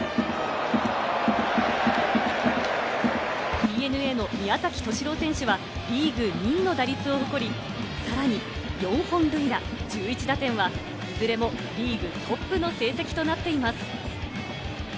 ＤｅＮＡの宮崎敏郎選手はリーグ２位の打率を誇り、さらに４本塁打、１１打点はいずれもリーグトップの成績となっています。